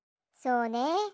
そうね。